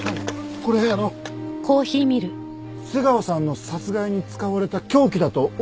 これあの瀬川さんの殺害に使われた凶器だと思われます。